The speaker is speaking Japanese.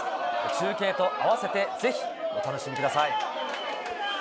中継と合わせてぜひお楽しみください。